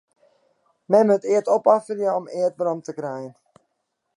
Men moat eat opofferje om eat werom te krijen.